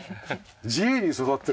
自由に育ってる。